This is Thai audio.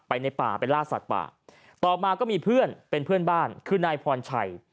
ในป่าไปล่าสัตว์ป่าต่อมาก็มีเพื่อนเป็นเพื่อนบ้านคือนายพรชัย